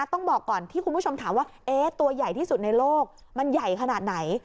ต้องบอกก่อนที่คุณผู้ชมถามว่าตัวใหญ่ที่สุดในโลกมันใหญ่ขนาดไหน